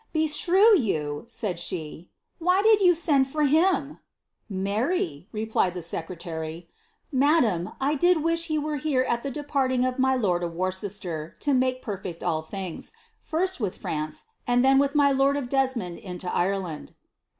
Beshrew you," said ahe, " why did you send for him ?"" Marry." replied the secretary, " madam, I did wish he were here at the departing of my lord of Worcester, lo make perfect all things; first with France, and then with my lord of Desmond into Ireland."